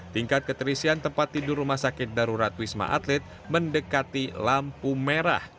tingkat keterisian tempat tidur rumah sakit darurat wisma atlet mendekati lampu merah